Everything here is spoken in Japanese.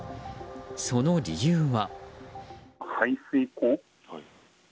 その理由は。